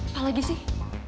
apa lagi sih